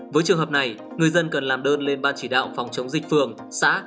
với trường hợp này người dân cần làm đơn lên ban chỉ đạo phòng chống dịch phường xã